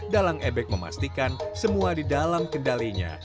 dalang ebek memastikan semua di dalam kendalinya